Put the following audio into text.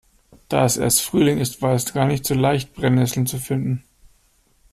Da es erst Frühling ist, war es gar nicht so leicht, Brennesseln zu finden.